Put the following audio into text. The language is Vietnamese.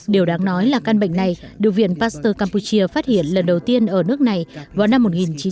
điều đáng nói là căn bệnh này được viện pasteur campuchia phát hiện lần đầu tiên ở nước này vào năm một nghìn chín trăm bảy mươi